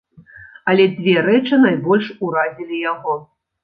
Але дзве рэчы найбольш уразілі яго.